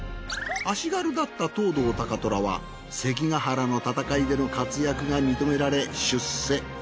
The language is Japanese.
足軽だった藤堂高虎は関ヶ原の戦いでの活躍が認められ出世。